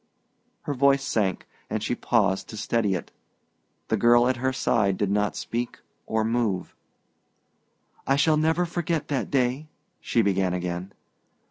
Her voice sank, and she paused to steady it. The girl at her side did not speak or move. "I shall never forget that day," she began again.